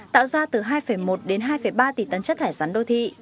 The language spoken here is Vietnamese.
tạo ra từ hai một đến hai ba tỷ tấn chất thải rắn đô thị